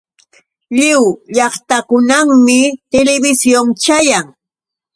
Lliw llaqtakunamanmi televisión chayan.